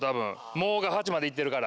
「も」が８までいっているから。